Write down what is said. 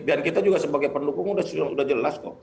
dan kita juga sebagai pendukung sudah jelas kok